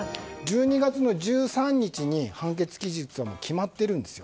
１２月１３日に判決期日は決まってるんです。